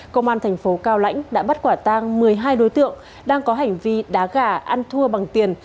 công an thành phố cao lãnh đã bắt quả tang một mươi hai đối tượng đang có hành vi đá gà ăn thua bằng tiền